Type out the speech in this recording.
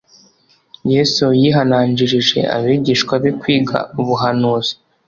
Yesu yihanangirije abigishwa be kwiga ubuhanuzi;